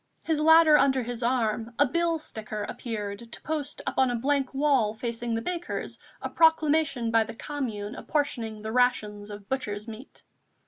His ladder under his arm, a billsticker appeared to post up on a blank wall facing the baker's a proclamation by the Commune apportioning the rations of butcher's meat.